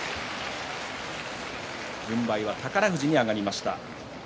軍配は宝富士に上がりました。